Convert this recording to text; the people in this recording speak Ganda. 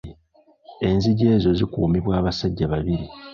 Enzigi ezo zikuumibwa abasajja babiri.